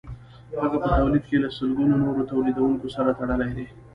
هغه په تولید کې له سلګونو نورو تولیدونکو سره تړلی دی